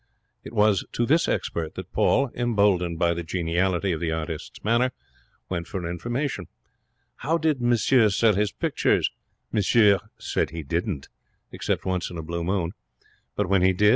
It was to this expert that Paul, emboldened by the geniality of the artist's manner, went for information. How did monsieur sell his pictures? Monsieur said he didn't, except once in a blue moon. But when he did?